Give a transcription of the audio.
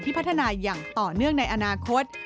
พัฒนาอย่างต่อเนื่องในอนาคต